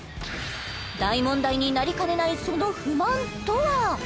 大問題になりかねないその不満とは？